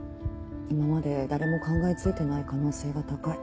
今まで誰も考えついてない可能性が高い。